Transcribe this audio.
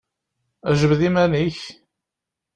Jbed-d iman-ik!